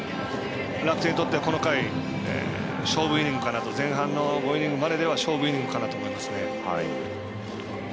楽天にとってこの回は勝負イニングかなと前半の５イニングまででは勝負イニングかなと思います。